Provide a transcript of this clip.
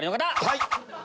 はい！